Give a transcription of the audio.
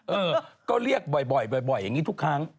เออก็เรียกบ่อยอย่างนี้ทุกครั้ง